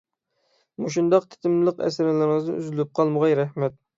مۇشۇنداق تېتىملىق ئەسەرلىرىڭىز ئۈزۈلۈپ قالمىغاي. رەھمەت!